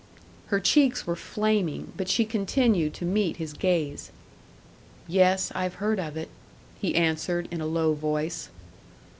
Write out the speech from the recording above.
Her cheeks were flaming, but she continued to meet his gaze. "Yes, I've heard of it," he answered, in a low voice.